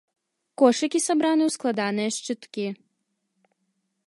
Кошыкі сабраны ў складаныя шчыткі.